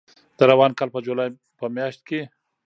د روان کال په جولای په میاشت کې